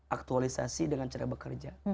aktualisasi dengan cara bekerja